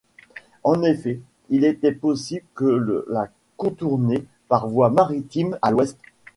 En effet, il était possible de la contourner par voie maritime à l'ouest.